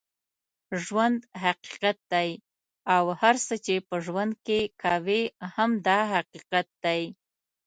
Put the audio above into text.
ژوند حقیقت دی اوهر څه چې په ژوند کې کوې هم دا حقیقت دی